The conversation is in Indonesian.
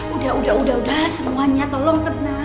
udah udah udah semuanya tolong kena